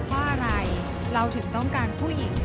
เพราะอะไรเราถึงต้องการผู้หญิง